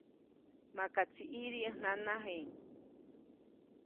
Makaʼtsi ʼidi ʼäj nanajiʼŋ.